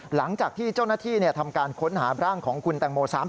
หลังจากที่เจ้าหน้าที่ทำการค้นหาร่างของคุณแตงโมซ้ำ